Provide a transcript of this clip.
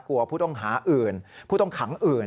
ผู้ต้องหาอื่นผู้ต้องขังอื่น